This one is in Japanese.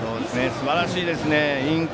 すばらしいですね。